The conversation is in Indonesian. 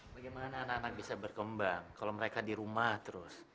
bagaimana anak anak bisa berkembang kalau mereka di rumah terus